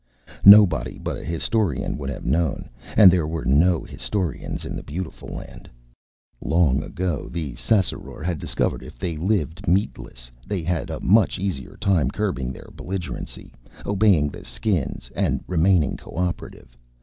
Nobody but a historian would have known, and there were no historians in The Beautiful Land. Long ago the Ssassaror had discovered that if they lived meatless, they had a much easier time curbing their belligerency, obeying the Skins and remaining cooperative.